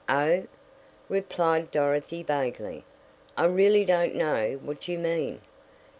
"Oh," replied Dorothy vaguely, "I really don't know what you mean."